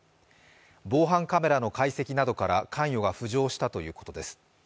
防犯カメラの解析などから関与が浮上したということで。